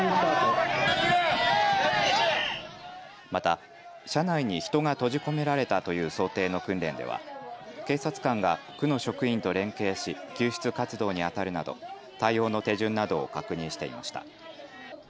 また車内に人が閉じ込められたという想定の訓練では警察官が区の職員と連携し救出活動にあたるなど対応の手順などを確認していました。